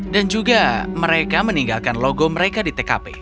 dan juga mereka meninggalkan logo mereka di tkp